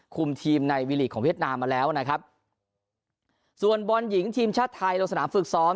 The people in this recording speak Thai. คุมทีมในวีลีกของเวียดนามมาแล้วนะครับส่วนบอลหญิงทีมชาติไทยลงสนามฝึกซ้อม